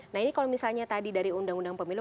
nah ini kalau misalnya tadi dari undang undang pemilu